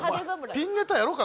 ピンネタやろうかな？